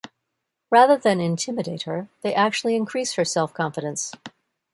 Rather than intimidate her, they actually increase her self-confidence.